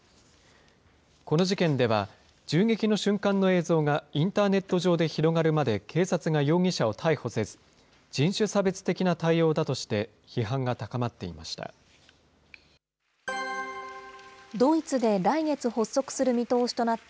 この事件では、銃撃の瞬間の映像がインターネット上で広がるまで警察が容疑者を逮捕せず、人種差別的な対応だとして批判が高まっていました。